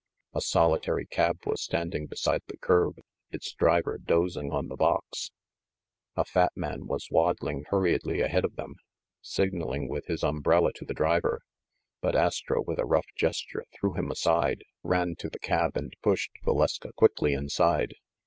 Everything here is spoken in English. A solitary cab was standing beside the curb, its driver dozing on the box. A fat man was waddling hurriedly ahead of them, MISS DALRYMPLE'S LOCKET 161 signaling with his umbrella to the driver; but Astra, with a rough gesture, threw him aside, ran to the cab, and pushed Valeska quickly inside.